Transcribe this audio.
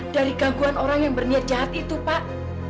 dari gangguan orang yang berniat jahat itu pak